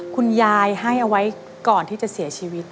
คุณยายให้เอาไว้ก่อนที่จะเสียชีวิต